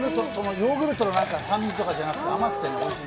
ヨーグルトの酸味とかじゃなくて甘くておいしい。